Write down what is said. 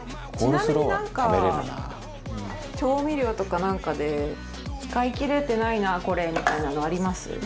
ちなみに、なんか調味料とかなんかで使い切れてないな、これみたいなのあります？